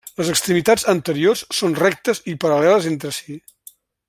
Les extremitats anteriors són rectes i paral·leles entre si.